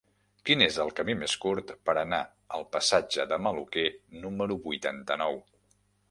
Quin és el camí més curt per anar al passatge de Maluquer número vuitanta-nou?